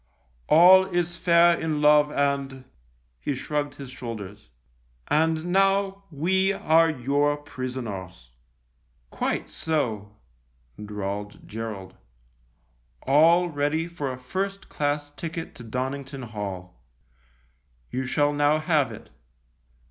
All is fair in love and " He shrugged his shoulders. " And now we are your prisoners." "Quite so," drawled Gerald. "All ready for a first class ticket to Donington Hall. You shall now have it.